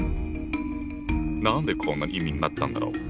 何でこんな意味になったんだろう？